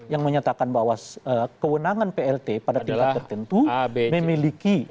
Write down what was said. yang menyatakan bahwa kewenangan plt pada tingkat tertentu memiliki